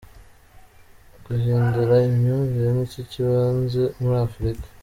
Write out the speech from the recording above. Guhindura imyumvire nicyo cy’ibanze muri Afurika.